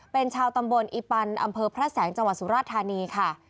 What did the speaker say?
เป็นชาวตำบลอีปันอำเภอพระแสงจังหวัดสุราธานีค่ะ